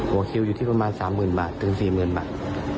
คิวอยู่ที่ประมาณ๓๐๐๐บาทถึง๔๐๐๐บาท